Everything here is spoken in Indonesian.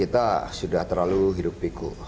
dinamika politik kita sudah terlalu hidup piku